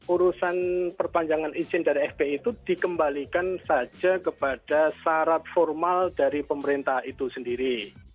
urusan perpanjangan izin dari fpi itu dikembalikan saja kepada syarat formal dari pemerintah itu sendiri